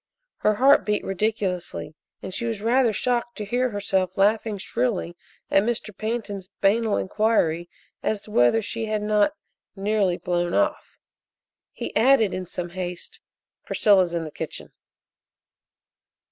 Her heart beat ridiculously and she was rather shocked to hear herself laughing shrilly at Mr. Pantin's banal inquiry as to whether she had not "nearly blown off." He added in some haste: "Priscilla's in the kitchen."